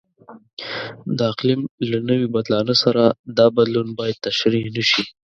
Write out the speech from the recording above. د اقلیم له نوي بدلانه سره دا بدلون باید تشریح نشي.